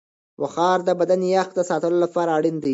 بخار د بدن یخ ساتلو لپاره اړین دی.